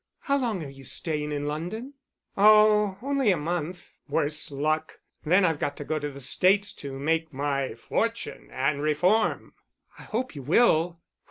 "How long are you staying in London?" "Oh, only a month, worse luck. Then I've got to go to the States to make my fortune and reform." "I hope you will."